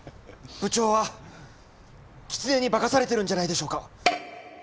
部長はキツネに化かされてるんじゃないでしょうか。